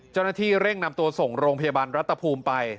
เจ้าหน้าที่เร่งนำตัวส่งโรงพยาบาลรัฐภูมิไป